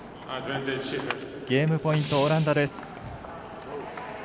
ゲームポイント、オランダです。